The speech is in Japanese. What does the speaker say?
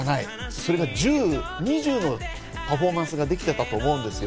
それが１０、２０のパフォーマンスができたと思うんですよ。